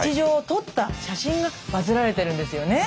撮った写真がバズられてるんですよね。